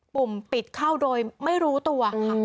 ปุ่มปิดเข้าโดยไม่รู้ตัวค่ะ